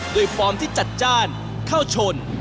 ฟอร์มที่จัดจ้านเข้าชน